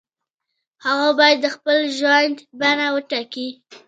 هغه باید د خپل ژوند بڼه وټاکي.